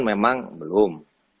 ramadan memang belum